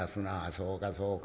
「そうかそうか。